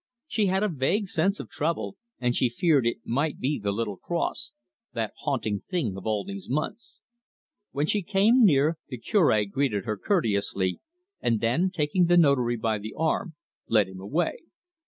She had a vague sense of trouble, and she feared it might be the little cross, that haunting thing of all these months. When she came near, the Cure greeted her courteously, and then, taking the Notary by the arm, led him away.